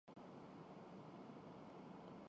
ہم چلتے رہے جب تک ہماری ٹانگوں نے ہمارا ساتھ دیا